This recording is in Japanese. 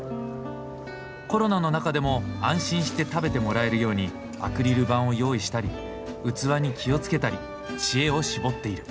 コロナの中でも安心して食べてもらえるようにアクリル板を用意したり器に気を付けたり知恵を絞っている。